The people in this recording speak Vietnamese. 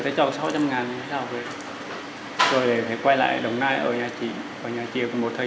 tôi chỉ biết là trong nhà có khói thôi